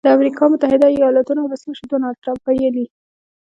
د امریکا متحده ایالتونو ولسمشر ډونالډ ټرمپ ویلي